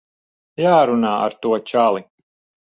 Jārunā ar to čali.